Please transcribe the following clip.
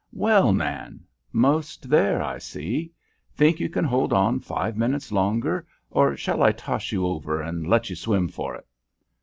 "Well, Nan! Most there, I see. Think you can hold on five minutes longer, or shall I toss you over and let you swim for it?"